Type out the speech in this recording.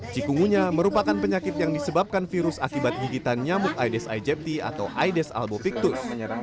cikungunya merupakan penyakit yang disebabkan virus akibat gigitan nyamuk aedes aegypti atau aedes albopictus